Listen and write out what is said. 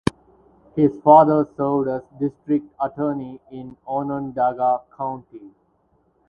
His father served as District Attorney in Onondaga County.